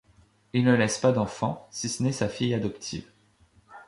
Il ne laisse pas d'enfants, si ce n'est sa fille adoptive.